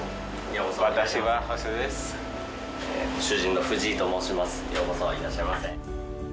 ようこそいらっしゃいませ。